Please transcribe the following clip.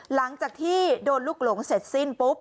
หลังจากที่โดนลูกหลงเสร็จสิ้นปุ๊บ